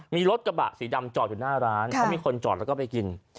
มีรถกระบะสีดำจอดอยู่หน้าร้านเขามีคนจอดแล้วก็ไปกิน